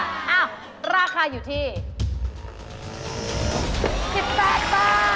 นี่ละคราคาอยู่ที่๑๘บาท